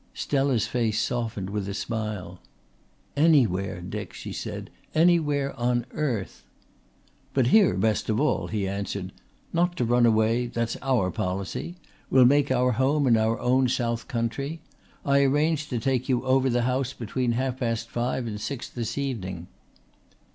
Stella's face softened with a smile. "Anywhere, Dick," she said, "anywhere on earth." "But here best of all," he answered. "Not to run away that's our policy. We'll make our home in our own south country. I arranged to take you over the house between half past five and six this evening."